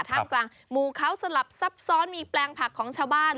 ท่ามกลางหมู่เขาสลับซับซ้อนมีแปลงผักของชาวบ้าน